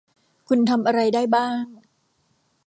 คุณทำอะไรได้บ้าง ?